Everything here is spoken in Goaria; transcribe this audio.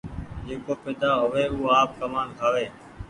جيڪو پيدآ هووي او آپ ڪمآن کآئي۔